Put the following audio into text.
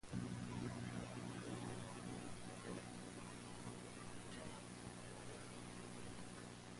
The series was developed in conjunction with the estate of Sir Arthur Conan Doyle.